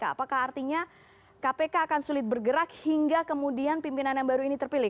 apakah artinya kpk akan sulit bergerak hingga kemudian pimpinan yang baru ini terpilih